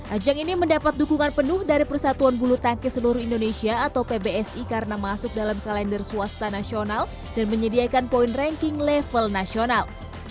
ajang ini mendapat dukungan penuh dari persatuan bulu tangkis seluruh indonesia atau pbsi karena masuk dalam kalender swasta nasional dan menyediakan poin ranking level nasional